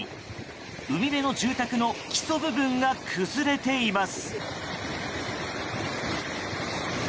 海辺の住宅の基礎部分が崩れています。